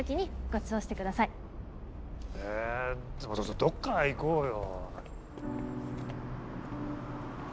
えどっか行こうよ。